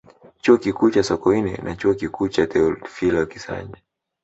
Chuo Kikuu cha Sokoine na Chuo Kikuu cha Teofilo Kisanji